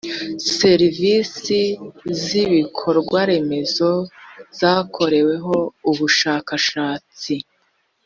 serivisi z ibikorwaremezo zakoreweho ubushakashatsi